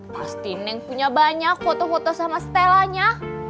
pasti neng punya banyak foto foto sama stella nya